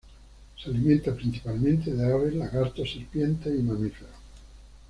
Se alimenta principalmente de aves, lagartos, serpientes y mamíferos.